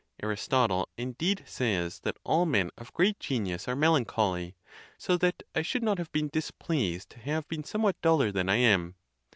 Aristotle, indeed, says that all men of great genius are melancholy; so that I should not have been displeased to have been somewhat duller than I am.